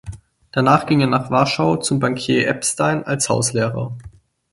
Danach ging er nach Warschau zum Bankier Epstein als Hauslehrer.